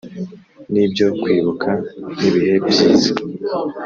nibyo, kwibuka nibihe byiza,